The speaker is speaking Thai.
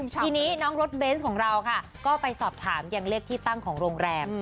ทีนี้น้องรถเบนส์ของเราค่ะก็ไปสอบถามยังเลขที่ตั้งของโรงแรม